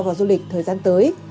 và du lịch thời gian tới